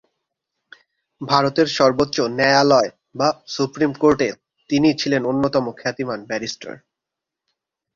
ভারতের সর্বোচ্চ ন্যায়ালয় বা সুপ্রিম কোর্টে তিনি ছিলেন অন্যতম খ্যাতিমান ব্যারিস্টার।